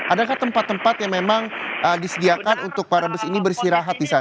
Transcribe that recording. adakah tempat tempat yang memang disediakan untuk para bus ini beristirahat di sana